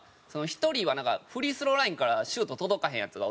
１人はフリースローラインからシュート届かへんヤツがおって。